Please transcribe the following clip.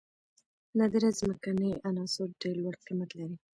نادره ځمکنۍ عناصر ډیر لوړ قیمت لري.